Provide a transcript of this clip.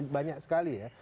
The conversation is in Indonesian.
banyak sekali ya